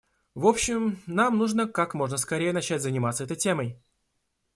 В общем, нам нужно как можно скорее начать заниматься этой темой.